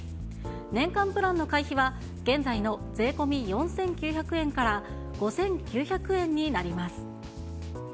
年間プランの会費は現在の税込み４９００円から５９００円になります。